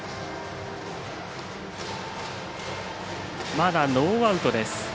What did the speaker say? まだ、ノーアウトです。